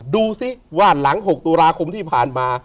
ดูสิว่าหลัง๖ตุลาคมที่ผ่านมา